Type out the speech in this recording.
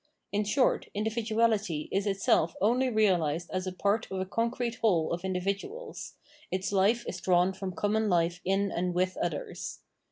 In short individuality is itself only realised as a part of a concrete whole of individuals : its life is drawn from common life in and with others.